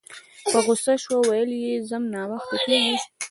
په غوسه شوه ویل یې ځم ناوخته کیږي